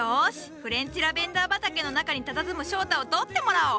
フレンチラベンダー畑の中にたたずむ翔太を撮ってもらおう！